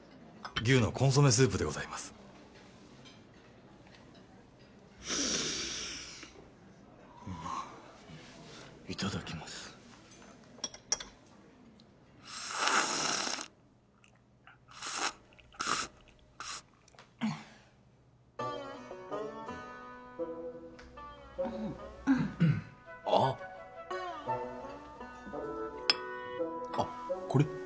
牛のコンソメスープでございますいただきますあッあッこれ？